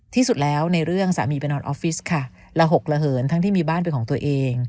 ที่สุดแล้วในเรื่องสามีไปนอนออฟฟิศค่ะระหกระเหินทั้งที่มีบ้านเป็นของตัวเอง